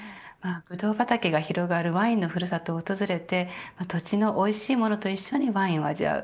ブドウ畑が広がるワインのふるさとを訪れて土地のおいしいものと一緒にワインを味わう